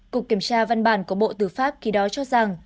cục kiểm tra văn bản của bộ tư pháp khi đó cho rằng